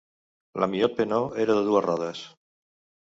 L'Amiot-Peneau era de dues rodes.